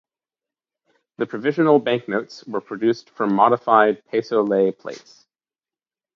The provisional banknotes were produced from modified peso ley plates.